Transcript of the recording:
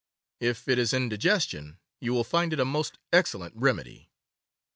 If it is indigestion, you will find it a most excellent remedy.